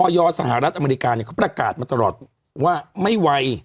ยสหรัฐอเมริกาเนี่ยเขาประกาศมาตลอดว่าไม่ไว